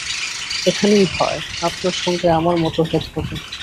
এখানেই ভয়, আপনার সঙ্গে আমার মতভেদ হবে।